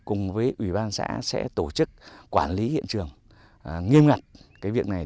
ủy ban xã sẽ tổ chức quản lý hiện trường nghiêm ngặt cái việc này